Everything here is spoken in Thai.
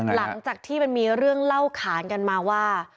หลังจากที่มันมีเรื่องเล่าขานกันมาว่า